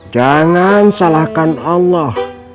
jangan salahkan allah